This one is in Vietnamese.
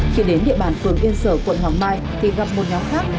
khi đến địa bàn phường yên sở quận hoàng mai thì gặp một nhóm khác